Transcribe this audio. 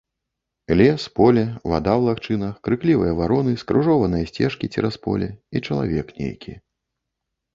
Лес, поле, вада ў лагчынах, крыклівыя вароны, скрыжованыя сцежкі цераз поле, і чалавек нейкі.